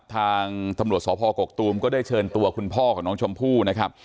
ทางตำรวจสพกกตูมก็ได้เชิญตัวคุณพ่อของน้องชมพู่นะครับ